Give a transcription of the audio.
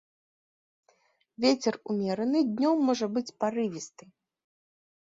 Вецер умераны, днём можа быць парывісты.